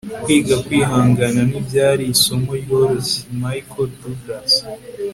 kwiga kwihangana ntibyari isomo ryoroshye. - michael douglas